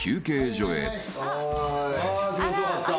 あ気持ち良かった。